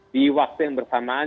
di waktu yang bersamaan